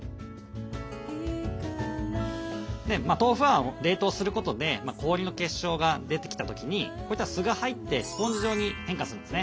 豆腐は冷凍することで氷の結晶が出てきた時にこういったすが入ってスポンジ状に変化するんですね。